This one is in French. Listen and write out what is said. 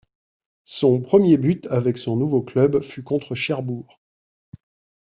Son premier but avec son nouveau club fut contre Cherbourg.